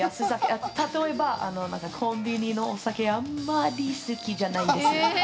例えば、コンビニのお酒あんまり好きじゃないです。